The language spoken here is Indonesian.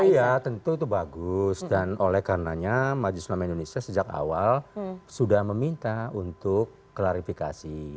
oh iya tentu itu bagus dan oleh karenanya majlis nama indonesia sejak awal sudah meminta untuk klarifikasi